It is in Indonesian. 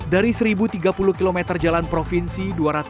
dari satu tiga puluh km jalan provinsi